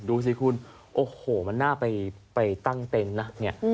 ดูสิคุณโอ้โหมันน่าไปตั้งเต็นต์นะเนี่ย